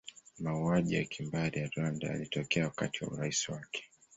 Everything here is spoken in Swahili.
Mauaji ya kimbari ya Rwanda yalitokea wakati wa urais wake.